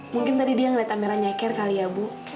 mungkin tadi dia ngeliat amira nyeker kali ya bu